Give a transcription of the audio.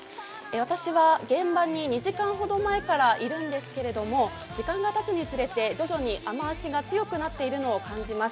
私は現場に２時間ほど前からいるんですけれども時間がたつにつれて徐々に雨足が強くなっているのを感じます。